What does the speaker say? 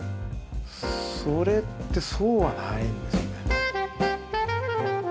それってそうはないんですね。